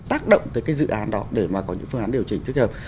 tác động tới cái dự án đó để mà có những phương án điều chỉnh thích hợp